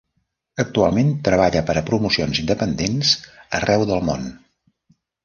Actualment treballa per a promocions independents arreu del món.